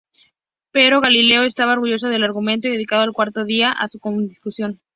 Pero Galileo estaba orgulloso del argumento y dedicó el cuarto día a su discusión.